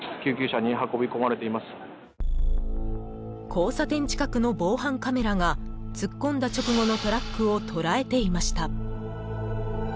［交差点近くの防犯カメラが突っ込んだ直後のトラックを捉えていました］